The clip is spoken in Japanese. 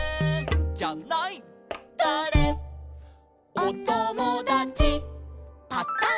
「おともだちパタン」